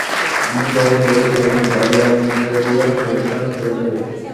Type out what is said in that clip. আমি যখন করেছি, তখন একবারও ভাবিনি এটা দিয়ে পয়সা করা যাবে।